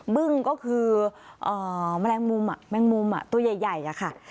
บึ้งก็คือแมลงมุมแมงมุมตัวใหญ่อะค่ะ